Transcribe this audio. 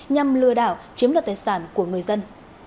nhằm lừa đảo chiếm đoạt tài sản của người dân